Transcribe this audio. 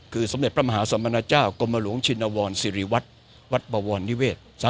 คือสมเด็จพระมหาสมณเจ้ากรมหลวงชินวรสิริวัตรวัดบวรนิเวศ